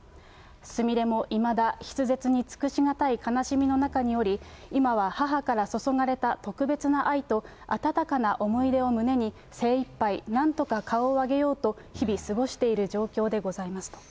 すみれもいまだ筆舌に尽くしがたい悲しみの中におり、今は母から注がれた特別な愛と、温かな思い出を胸に、精いっぱい、なんとか顔を上げようと日々過ごしている状況でございますと。